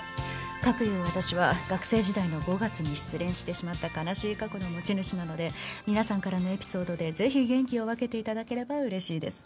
かくいう私は学生時代の５月に失恋してしまった悲しい過去の持ち主なので皆さんからのエピソードでぜひ元気を分けて頂ければ嬉しいです。